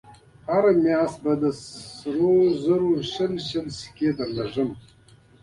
هره مياشت به د سرو زرو شل سيکې درته رالېږم.